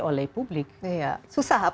oleh publik susah